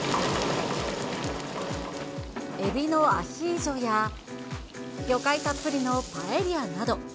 えびのアヒージョや、魚介たっぷりのパエリアなど。